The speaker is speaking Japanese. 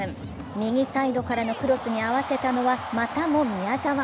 右サイドからのクロスに合わせたのはまたも宮澤。